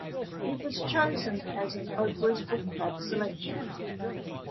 It was chosen as an Oprah's Book Club selection.